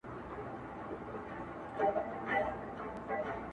ستړے ستومانه پخپل ځان کښې حيران کړے مې دی